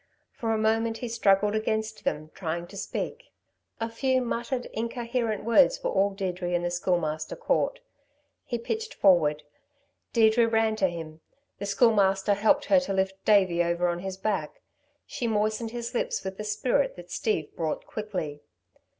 For a moment he struggled against them, trying to speak. A few muttered, incoherent words were all Deirdre and the Schoolmaster caught. He pitched forward. Deirdre ran to him. The Schoolmaster helped her to lift Davey over on his back. She moistened his lips with the spirit that Steve brought quickly.